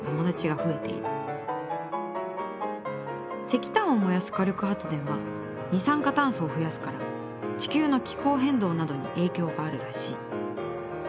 石炭を燃やす火力発電は二酸化炭素を増やすから地球の気候変動などに影響があるらしい。